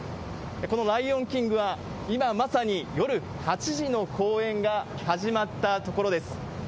このライオンキングは、今まさに夜８時の公演が始まったところです。